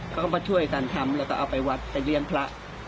เขาก็มาช่วยกันทำแล้วก็เอาไปวัดไปเลี้ยงพระ